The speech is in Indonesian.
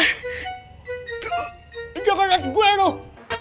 lo jangan liat gue loh